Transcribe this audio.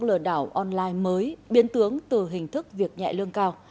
lừa đảo online mới biến tướng từ hình thức viễn pháp